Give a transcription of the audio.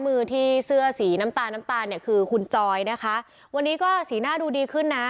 คือคุณจอยนะคะวันนี้ก็สีหน้าดูดีขึ้นนะ